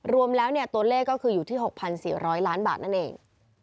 รวมแล้วตัวเลขก็คืออยู่ที่๖๔๐๐ล้านบาทนั่นเอง